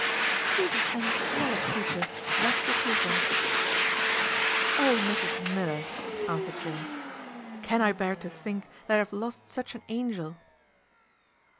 She is an angelic creature, that is the truth on't." "O, Mrs Miller!" answered Jones, "can I bear to think that I have lost such an angel?"